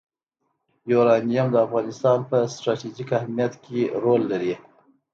یورانیم د افغانستان په ستراتیژیک اهمیت کې رول لري.